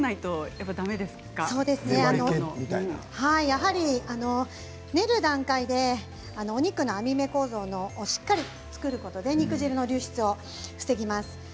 やはり練る段階でお肉の網目構造をしっかり作ることで肉汁の流出を防ぎます。